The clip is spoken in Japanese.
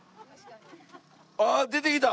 あっ出てきた！